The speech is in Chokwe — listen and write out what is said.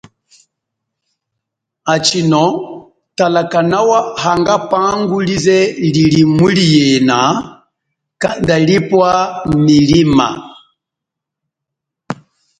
Hachino tala kanawa hanga pangu lize lili muli yena kanda lipwa milima.